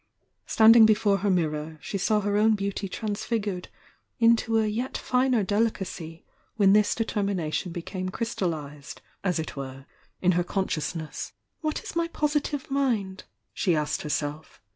Standing before her mirror she saw her own beauty transfigured into a yet finer delicacy when this determination became crystallized, as it were, in her consciousness. "What is my positive mind?" die asked herself.